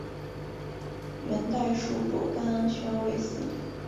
元代属朵甘宣慰司。